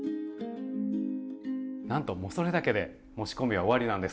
なんともうそれだけで仕込みは終わりなんです。